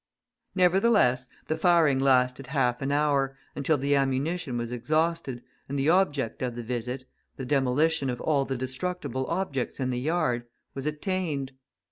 Nevertheless, the firing lasted half an hour, until the ammunition was exhausted, and the object of the visit the demolition of all the destructible objects in the yard was attained.